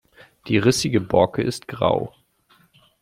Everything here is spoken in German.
Die rissige Borke ist grau.